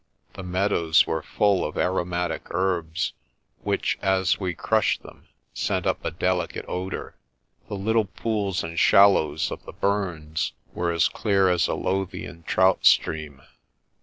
The meadows were full of aromatic herbs which, as we crushed them, sent up a delicate odour. The little pools and shallows of the burns were as clear as a Lothian trout stream.